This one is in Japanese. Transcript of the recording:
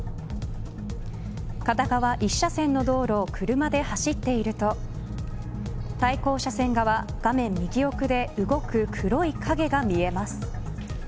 片側１車線の道路を車で走っていると対向車線側画面右、奥で動く黒い影が見えます。